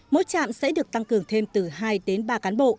mỗi trạm sẽ được tăng cường thêm từ hai đến ba cán bộ